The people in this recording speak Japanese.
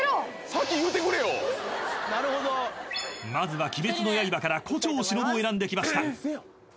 ［まずは『鬼滅の刃』から胡蝶しのぶを選んできました］